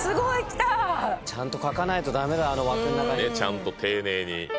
ちゃんと丁寧に。